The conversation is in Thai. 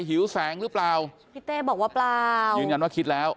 หิวแสงหรือเปล่าพี่เต้บอกว่าเปล่ายืนยันว่าคิดแล้ว